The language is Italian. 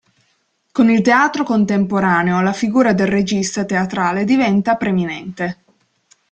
Con il teatro contemporaneo, la figura del regista teatrale diventa preminente.